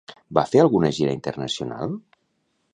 Va fer alguna gira internacional?